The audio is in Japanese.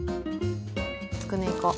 つくね、いこう。